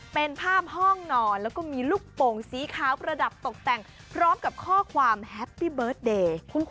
เป็นภาพห้องนอนแล้วก็มีลูกโป่งสีขาวประดับตกแต่งพร้อมกับข้อความแฮปปี้เบิร์ตเดย์